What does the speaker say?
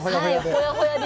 ほやほやで。